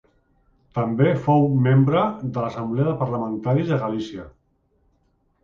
També fou membre de l'Assemblea de Parlamentaris de Galícia.